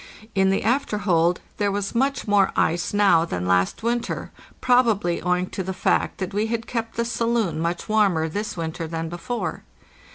In the after hold there was much more ice now than last winter, proba bly owing to the fact that we had kept the saloon much warmer this winter than before.